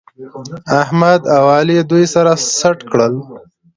احمد او علي دوی سره سټ کړل